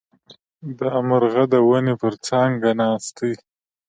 دا مرغه د ونې پر څانګه ناست دی.